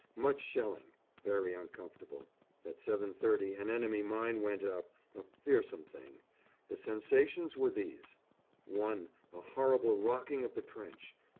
Much shelling. Very uncomfortable. At 7.30 an enemy mine went up a fearsome thing. The sensations were these I. A horrible rocking of the trench.